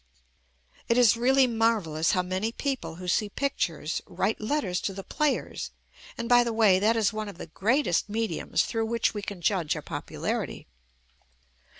It is really marvelous how many people who see pictures, write letters to the players, and, by the way, that is one of the greatest mediums through which we can judge our popularity.